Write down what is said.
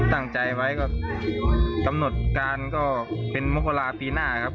สั่งใจไว้เกิดกำหนดก้านแล้วก็เป็นพระพระปีหน้าครับ